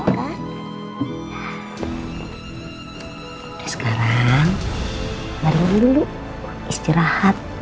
udah sekarang mari dulu istirahat